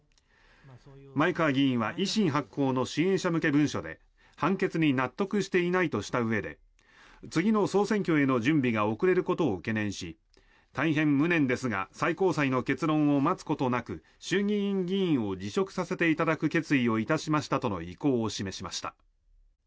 前川議員は、維新発行の支援者向け文書で判決に納得していないとしたうえで次の総選挙への準備が遅れることを懸念し大変無念ですが最高裁の結論を待つことなく衆議院議員を辞職させていただく決意をいたしましたとの意向を示しました。